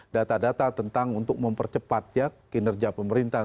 data data tentang untuk mempercepat ya kinerja pemerintahan